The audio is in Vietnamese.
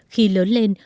khi lớn lên